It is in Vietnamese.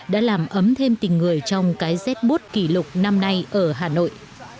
đã làm ấm thêm tình người trong cái rét bút kỷ lục năm nay ở hà nội